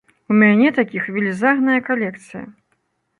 У мяне такіх велізарная калекцыя!